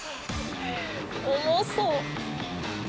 重そう。